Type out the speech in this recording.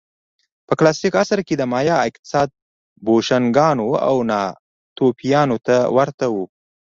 په کلاسیک عصر کې د مایا اقتصاد بوشونګانو او ناتوفیانو ته ورته و